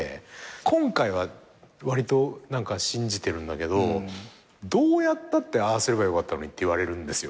今回はわりと信じてるんだけどどうやったって「ああすればよかったのに」って言われるんですよ。